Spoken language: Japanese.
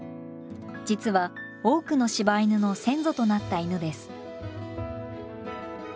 実は多くの柴犬の先祖となった犬です。